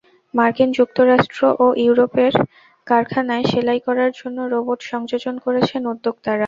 মার্কিন যুক্তরাষ্ট্র ও ইউরোপের কারখানায় সেলাই করার জন্য রোবট সংযোজন করেছেন উদ্যোক্তারা।